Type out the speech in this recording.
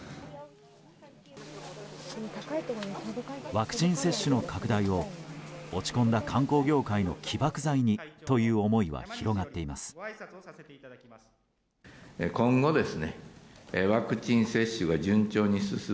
ワクチン接種の拡大を落ち込んだ観光業界の起爆剤にという思いは広がっています。